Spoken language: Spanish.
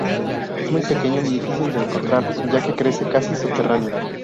Es muy pequeño y difícil de encontrar, ya que crece casi subterráneo.